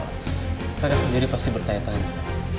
mereka sendiri pasti bertayapannya